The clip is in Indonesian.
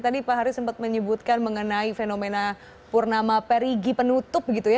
tadi pak haris sempat menyebutkan mengenai fenomena purnama perigi penutup gitu ya